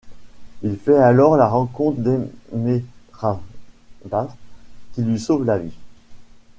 Il fait alors la rencontre d'Emeraldas, qui lui sauve la vie.